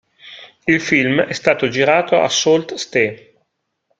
Il film è stato girato a Sault Ste.